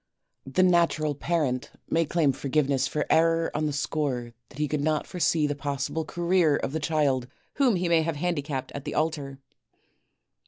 The natural parent may claim forgiveness for error on the score that he could not foresee the possible career of the child whom he may have handicapped at the altar.